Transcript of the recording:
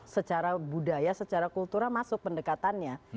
secara budaya secara kultural masuk pendekatannya